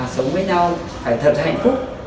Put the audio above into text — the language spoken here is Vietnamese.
sống với nhau phải thật hạnh phúc